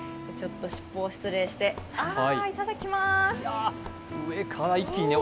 尻尾を失礼して、いただきます。